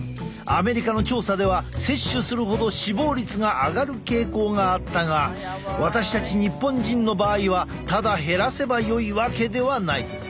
アメリカの調査では摂取するほど死亡率が上がる傾向があったが私たち日本人の場合はただ減らせばよいわけではない。